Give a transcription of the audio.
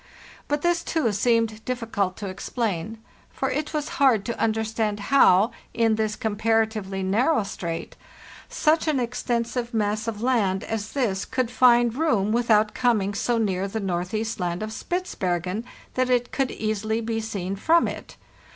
But this, too, seemed difficult to explain ; for it was hard to understand how, in this comparatively narrow strait, such an extensive mass of land as this could find room without coming so near the Northeast Land of Spitzbergen that it could easily be seen from it.